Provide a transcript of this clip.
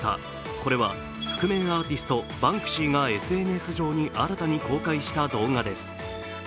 これは覆面アーティスト・バンクシーがＳＮＳ上に新たに公開した動画です。